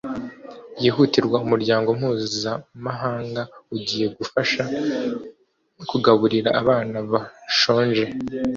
byihutirwa umuryango mpuzamahangaugiye gufasha kugaburira abana bashonje